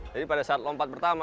jadi pada saat lompat pertama